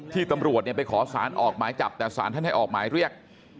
ตำรวจไปขอสารออกหมายจับแต่สารท่านให้ออกหมายเรียก